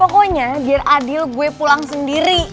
pokoknya biar adil gue pulang sendiri